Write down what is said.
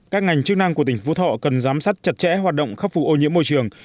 các ngành chức năng của tỉnh phú thọ cần giám sát chặt chẽ hoạt động khắc phục ô nhiễm môi trường